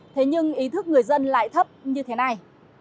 thế nhưng ý thức người dân lại thấp như thế này